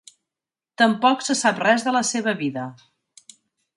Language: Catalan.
Tampoc se sap res de la seva vida.